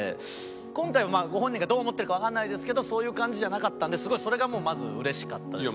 今回はご本人がどう思ってるかわかんないですけどそういう感じじゃなかったんですごいそれがもうまずうれしかったですね。